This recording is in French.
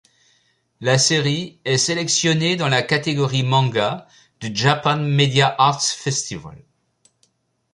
La série est sélectionnée dans la catégorie manga du Japan Media Arts Festival.